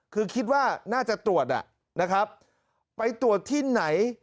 คือคิดว่าน่าจะตรวจนะครับไปตรวจที่ไหน